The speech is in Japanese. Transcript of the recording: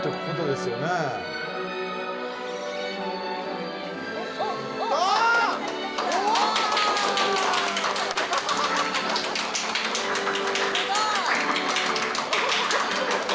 すごい！